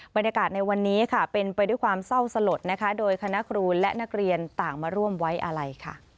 บรรยากาศในวันนี้ค่ะเป็นไปด้วยความเศร้าสลดนะคะโดยคณะครูและนักเรียนต่างมาร่วมไว้อาลัยค่ะ